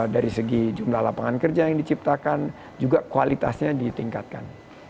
dari segi jumlah lapangan kerja yang diciptakan juga kualitasnya ditingkatkan